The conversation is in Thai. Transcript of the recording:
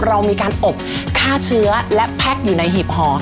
เรามีการอบฆ่าเชื้อและแพ็คอยู่ในหีบห่อ